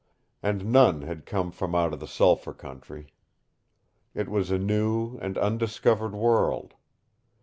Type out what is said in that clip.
And none had come from out of the sulphur country. It was a new and undiscovered world.